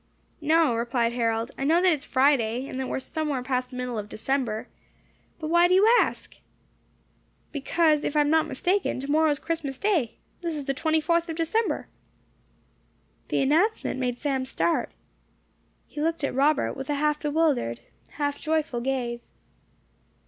"No," replied Harold, "I know that it is Friday, and that we are somewhere past the middle of December. But why do you ask?" "Because, if I am not mistaken, tomorrow is Christmas day. This is the twenty fourth of December." The announcement made Sam start. He looked at Robert with a half bewildered, half joyful gaze.